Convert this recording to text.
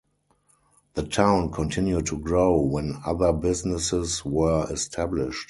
The town continued to grow when other businesses were established.